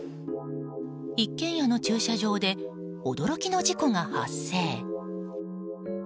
一軒家の駐車場で驚きの事故が発生。